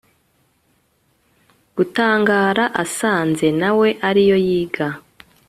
gutangara asanze …………nawe ariyo yiga………